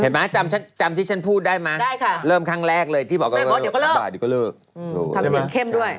เห็นมั้ยจำที่ฉันพูดได้มั้ยเริ่มครั้งแรกเลยที่บอกว่าอืมทำเสียงเข้มด้วย